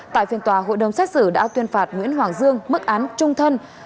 tại phiên tòa hội đồng xét xử đã tuyên phạt nguyễn hoàng dương mức án trung thân